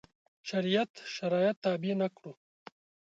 شریعت شرایط تابع نه کړو.